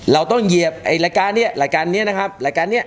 เราต้องเหยียบไอ้รายการนี้รายการนี้นะครับรายการนี้